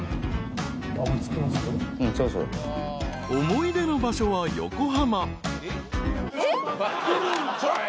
［思い出の場所は］えっ！？